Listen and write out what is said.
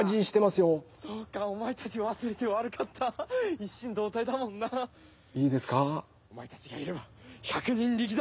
よしお前たちがいれば百人力だ。